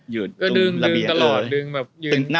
อยู่ตรงระเบียน